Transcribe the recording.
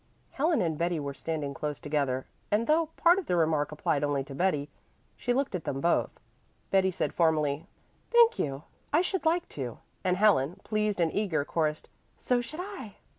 Helen and Betty were standing close together, and though part of the remark applied only to Betty, she looked at them both. Betty said formally, "Thank you, I should like to," and Helen, pleased and eager, chorused, "So should I."